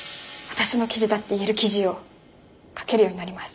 私の記事だって言える記事を書けるようになります。